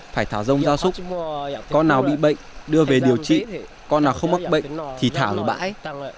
phải thả rông gia súc con nào bị bệnh đưa về điều trị con nào không mắc bệnh thì thả bãi